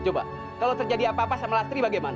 coba kalau terjadi apa apa sama lastri bagaimana